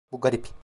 Bu garip.